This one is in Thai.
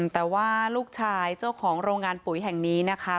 แต่ว่าลูกชายเจ้าของโรงงานปุ๋ยแห่งนี้นะคะ